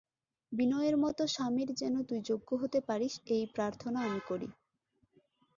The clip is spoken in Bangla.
বিনয়ের মতো স্বামীর যেন তুই যোগ্য হতে পারিস এই আমি প্রার্থনা করি।